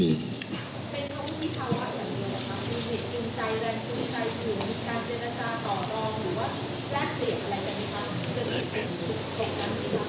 ไม่มีครับไม่มี